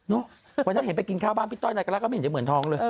น่ะเพราะฉะนั้นเห็นไปกินข้าวบ้านพี่ต้อยไหนก็ไม่เห็นจะเหมือนทองเลย